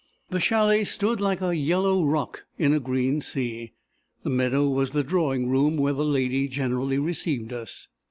The chalet stood like a yellow rock in a green sea. The meadow was the drawing room where the lady generally received us.